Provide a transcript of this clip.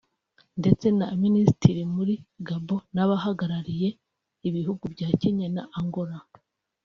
ndetse na Minisitiri muri Gabon n’abahagarariye ibihugu bya Kenya na Angola